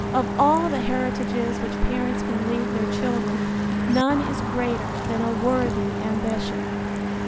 Of all the heritages which parents can leave their children none is greater than a worthy ambition.